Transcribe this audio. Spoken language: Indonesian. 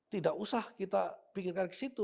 tidak usah kita pikirkan ke situ